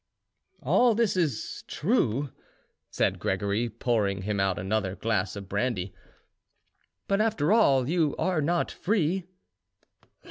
"All this is true," said Gregory, pouring him out another glass of brandy; "but, after all, you are not free."